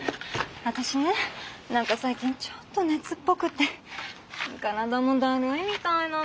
私ね何か最近ちょっと熱っぽくて体もだるいみたいなの。